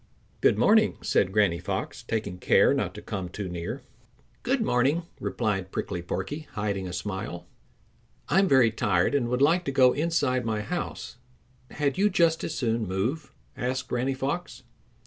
"Good morning," said Granny Fox, taking care not to come too near. "Good morning," replied Prickly Porky, hiding a smile. "I'm very tired and would like to go inside my house; had you just as soon move?" asked Granny Fox.